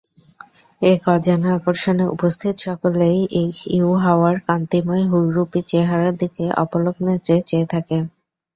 এক অজানা আকর্ষণে উপস্থিত সকলেই ইউহাওয়ার কান্তিময় হুররূপী চেহারার দিকে অপলক নেত্রে চেয়ে থাকে।